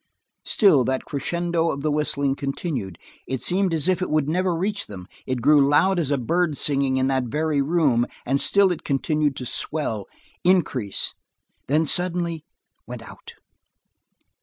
Still that crescendo of the whistling continued; it seemed as if it would never reach them; it grew loud as a bird singing in that very room, and still it continued to swell, increase then suddenly went out.